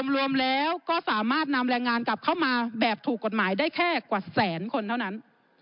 รวมแล้วก็สามารถนำแรงงานกลับเข้ามาแบบถูกกฎหมายได้แค่กว่าแสนคนเท่านั้น